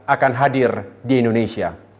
akan hadir di indonesia